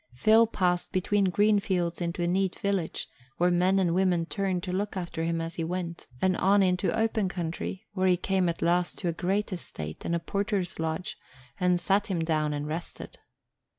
Phil passed between green fields into a neat village, where men and women turned to look after him as he went, and on into open country, where he came at last to a great estate and a porter's lodge and sat him down and rested.